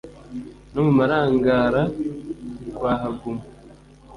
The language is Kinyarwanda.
No mu Marangara kwa Haguma.